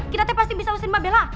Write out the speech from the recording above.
kita pasti bisa usir mbak bella